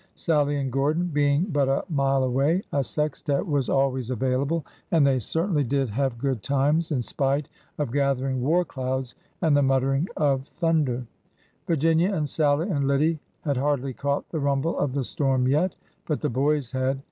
Sallie and Gordon being but a mile away, a sextet was always available, and they certainly 142 ORDER NO. 11 did have good times in spite of gathering war clouds and the muttering of thunder. Virginia and Sallie and Lide had hardly caught the rumble of the storm yet, but the boys had.